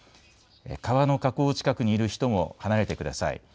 川の河口近くにいる人も離れてください。